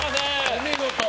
お見事。